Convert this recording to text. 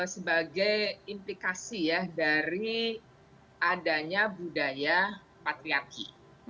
sebagai implikasi ya dari adanya budaya patriarki